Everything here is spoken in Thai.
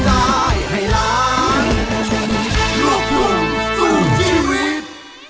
ได้ครับ